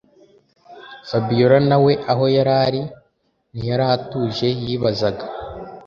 Fabiora nawe aho yarari ntiyaratuje yibazaga